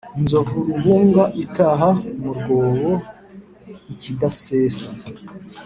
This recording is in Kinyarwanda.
Inzovu rubunga itaha mu mwobo-Ikidasesa.